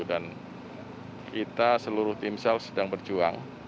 dan kita seluruh tim sel sedang berjuang